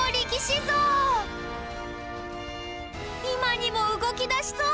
今にも動きだしそう！